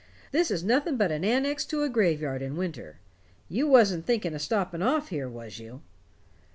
This is nothing but an annex to a graveyard in winter. You wasn't thinking of stopping off here, was you?"